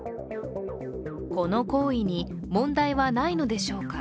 この行為に問題はないのでしょうか。